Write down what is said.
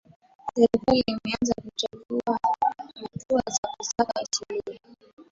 serikali imeanza kuchukua hatua za kusaka suluhu